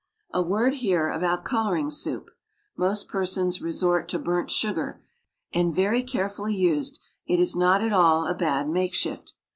A word here about coloring soup: Most persons resort to burnt sugar, and, very carefully used, it is not at all a bad makeshift.